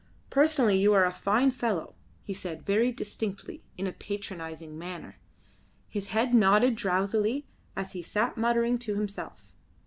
"Personally you are a fine fellow," he said very distinctly, in a patronising manner. His head nodded drowsily as he sat muttering to himself.